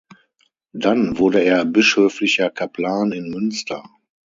Dann wurde er Bischöflicher Kaplan in Münster.